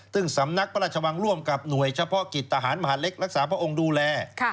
ซึ่งสำนักพระราชวังร่วมกับหน่วยเฉพาะกิจทหารมหาเล็กรักษาพระองค์ดูแล